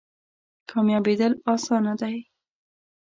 کامیابیدل اسانه دی؟